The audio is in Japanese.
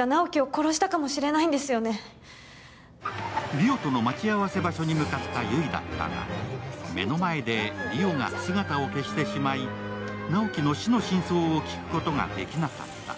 莉桜との待ち合わせ場所に向かった悠依だったが、目の前で莉桜が姿を消してしまい直木の死の真相を聞くことができなかった。